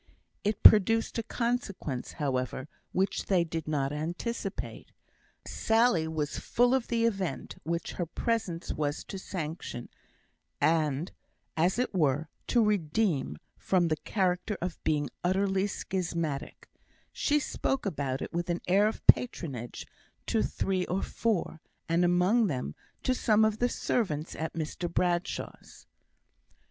It produced a consequence, however, which they did not anticipate. Sally was full of the event which her presence was to sanction, and, as it were, to redeem from the character of being utterly schismatic; she spoke about it with an air of patronage to three or four, and among them to some of the servants at Mr Bradshaw's.